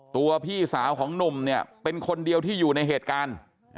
พี่สาวของหนุ่มเนี่ยเป็นคนเดียวที่อยู่ในเหตุการณ์